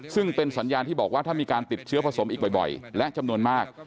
ซึ่งเป็นสัญญาณที่บอกว่าถ้ามีการติดเชื้อผสมอีกบ่อยและจำนวนมาก